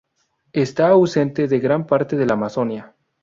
Está ausente de gran parte de la Amazonia.